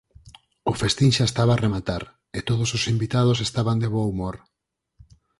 O festín xa estaba a rematar, e todos os invitados estaban de bo humor.